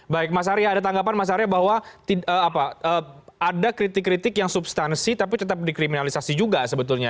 baik mas arya ada tanggapan mas arya bahwa ada kritik kritik yang substansi tapi tetap dikriminalisasi juga sebetulnya